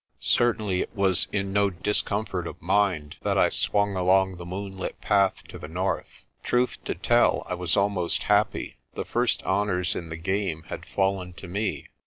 Certainly it was no discomfort of mind that I swung along the moonlit path to the north. Truth to tell, I was almost happy. The first honours in the game had fallen to me.